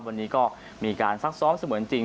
วันนี้ก็มีการซักซ้อมเสมือนจริง